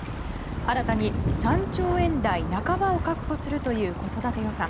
新たに３兆円台半ばを確保するという子育て予算。